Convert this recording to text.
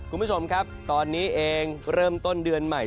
คุณผู้ชมครับตอนนี้เองเริ่มต้นเดือนใหม่